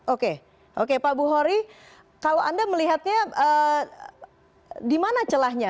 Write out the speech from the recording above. oke oke pak buhori kalau anda melihatnya di mana celahnya